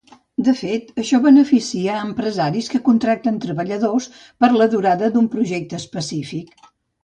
De fet, això beneficia a empresaris que contracten treballadors per a la durada d'un projecte específic.